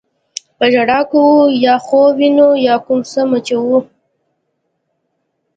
یا ژړا کوو او یا خوب وینو یا کوم څه مچوو.